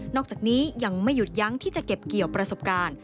อกจากนี้ยังไม่หยุดยั้งที่จะเก็บเกี่ยวประสบการณ์